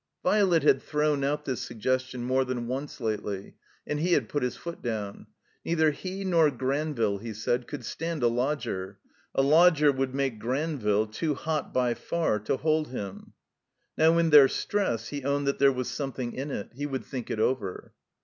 Violet had thrown out this suggestion more than once lately. And he had put his foot down. Neither he nor Granville, he said, could stand a lodger. A lodger would make Granville too hot by far to hold him. Now in their stress he owned that there was some thing in it. He would think it over.